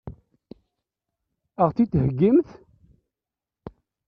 Ad ɣ-t-id-heggimt?